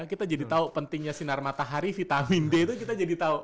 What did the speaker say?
kita jadi tahu pentingnya sinar matahari vitamin d itu kita jadi tahu